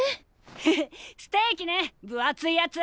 ヘヘッステーキね分厚いやつ！